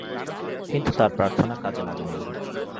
কিন্তু তার প্রার্থনা কাজে লাগেনা।